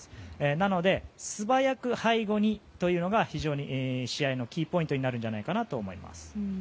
なので、素早く背後にというのが非常に試合のキーポイントになると思います。